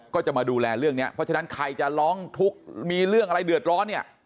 ก็จะมาดูแลเรื่องนี้เพราะฉะนั้นใครจะร้องทุกข์มีเรื่องอะไรเดือดร้อนเนี่ย